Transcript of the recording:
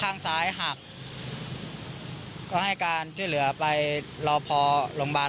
อย่างที่พี่กู้ภัยบอกนะคะคนเจ็บอาการไม่ได้หนักมาก